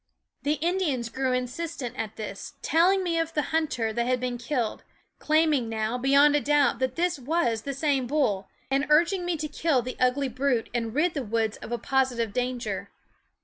The Indians grew insistent at this, telling me of the hunter that had been killed, claim ing now, beyond a doubt, that this was the same bull, and urging me to kill the ugly brute and rid the woods of a positive danger.